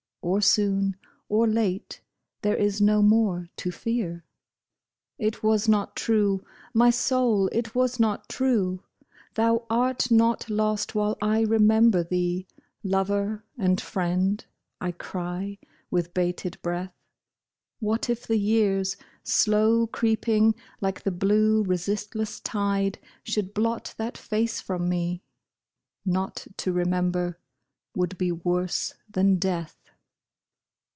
Or soon or late, there is no more to fear." It was not true, my soul ! it was not true !" Thou art not lost while I remember thee, Lover and friend !" I cry, with bated breath. What if the years, slow creeping like the blue, Resistless tide, should blot that face from me ? Not to remember would be worse than death